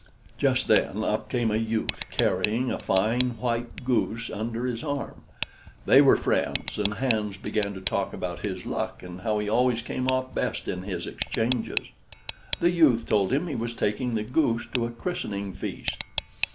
Just then, up came a youth, carrying a fine white goose under his arm. They were friends, and Hans began to talk about his luck and how he always came off best in his exchanges. The youth told him he was taking the goose to a christening feast.